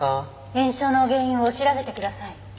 炎症の原因を調べてください。